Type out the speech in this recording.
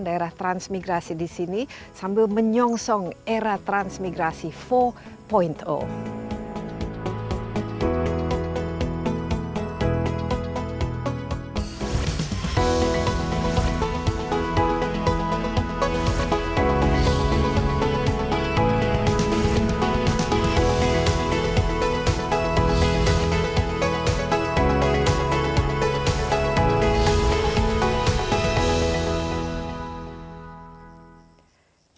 daerah transmigrasi di sini sambil menyongsong era transmigrasi for point of the hai hai hai